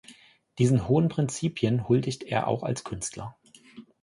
Diesen hohen Prinzipien huldigt er auch als Künstler.